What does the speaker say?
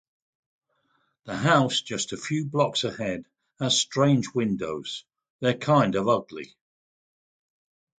The house just a few blocks ahead has strange windows, they're kind of ugly.